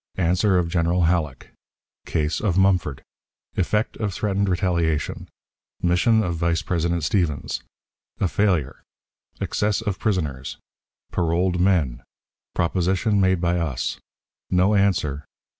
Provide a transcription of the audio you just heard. Answer of General Halleck. Case of Mumford. Effect of Threatened Retaliation. Mission of Vice President Stephens. A Failure. Excess of Prisoners. Paroled Men. Proposition made by us. No Answer.